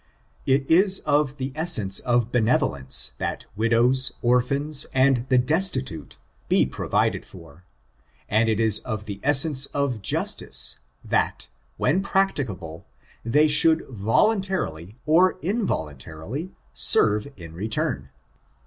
It is of the essence of benevolence, that widows, orphans, and the destitute, be provided for; and it is of the essence of justice, that, when practicable, they should voluntarily, or involuntarily, serve in return.